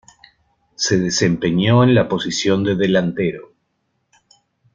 Se desempeñó en la posición de delantero.